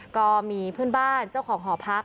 ก็มีเพื่อนบ้านเจ้าของหอพัก